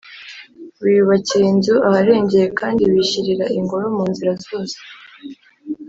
wiyubakiye inzu aharengeye, kandi wishyirira ingoro mu nzira zose